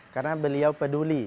karena beliau peduli